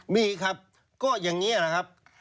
มีครับก็อย่างนี้แหละครับ